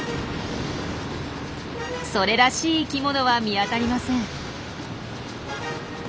それらしい生きものは見当たりません。